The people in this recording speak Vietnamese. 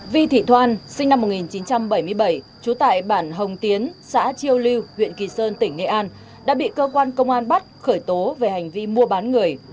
vi thị thoan sinh năm một nghìn chín trăm bảy mươi bảy trú tại bản hồng tiến xã chiêu lưu huyện kỳ sơn tỉnh nghệ an đã bị cơ quan công an bắt khởi tố về hành vi mua bán người